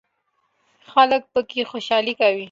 خلک پکې خوشحالي کوي.